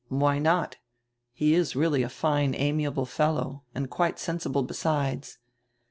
"Why not? He is really a fine amiable fellow and quite sensible, besides."